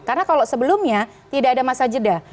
karena kalau sebelumnya tidak ada masa jeda